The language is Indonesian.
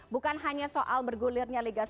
bukan hanya soal bergulirnya liga satu dua tiga